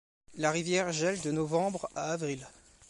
La rivière gèle de novembre à avril.